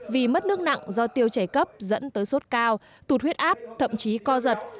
vì mất nước nặng do tiêu chảy cấp dẫn tới sốt cao tụt huyết áp thậm chí co giật